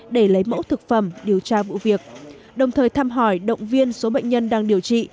để lấy mẫu thực phẩm điều tra vụ việc đồng thời thăm hỏi động viên số bệnh nhân đang điều trị